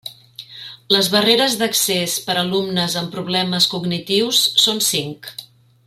Les barreres d’accés per alumnes amb problemes cognitius són cinc.